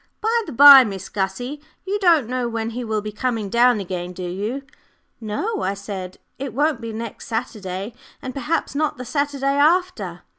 "By the by, Miss Gussie, you don't know when he will be coming down again, do you?" "No," I said. "It won't be next Saturday, and perhaps not the Saturday after."